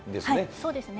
そうですね。